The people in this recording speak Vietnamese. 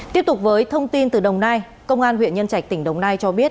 tiếp tục với thông tin từ đồng nai công an huyện nhân trạch tỉnh đồng nai cho biết